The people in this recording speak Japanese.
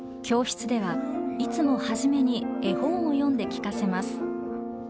教室ではいつも初めに絵本を読んで聞かせます。